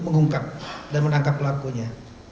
mengungkap dan menangkap pelakunya